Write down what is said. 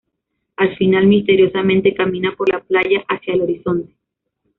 Al final, misteriosamente, camina por la playa hacia el horizonte.